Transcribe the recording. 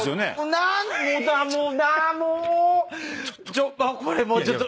ちょっこれもうちょっと。